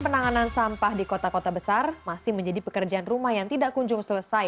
penanganan sampah di kota kota besar masih menjadi pekerjaan rumah yang tidak kunjung selesai